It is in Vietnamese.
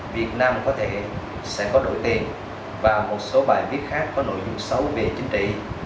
việt nam có thể sẽ có đổi tiền và một số bài viết khác có nội dung xấu về chính trị